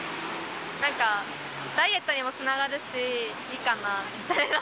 なんか、ダイエットにもつながるし、いいかなみたいな。